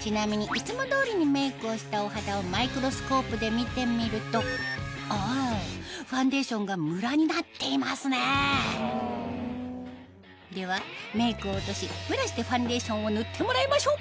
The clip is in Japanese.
ちなみにいつも通りにメイクをしたお肌をマイクロスコープで見てみるとおぉファンデーションがムラになっていますねではメイクを落としブラシでファンデーションを塗ってもらいましょ！